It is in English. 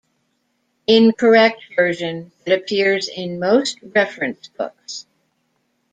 Incorrect version that appears in most reference books.